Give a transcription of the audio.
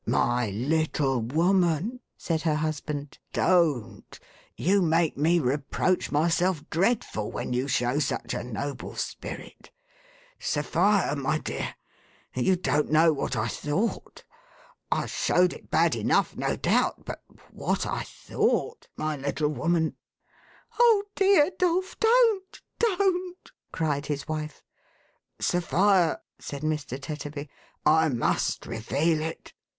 " My little woman," said her husband, " don't. You make me reproach myself dreadful, when you show such a noble spirit. Sophia, my dear, you don't know what I thought. I showed it bad enough, no doubt; but what I thought, niv little woman !"" Oh, dear Dolf, don't ! Don't !" cried his wife. "Sophia," said Mr. Tetterby, "I must reveal it.